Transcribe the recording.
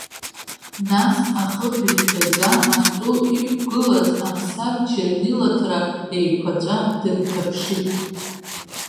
Нас ахы быжьшәаӡа астол иқәгылаз амсатә чернилаҭра еиқәаҵәа дынҭаԥшит.